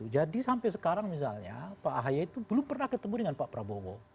jadi sampai sekarang misalnya pak ahy itu belum pernah ketemu dengan pak prabowo